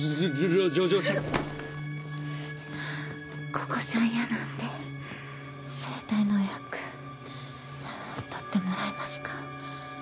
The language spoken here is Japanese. ここじゃ嫌なんで整体の予約取ってもらえますか？